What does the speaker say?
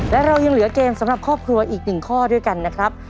และเรายังเหลือเกมสำหรับครอบครัวอีก๑ข้อด้วยกันนะครับ